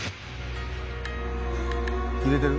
入れてる？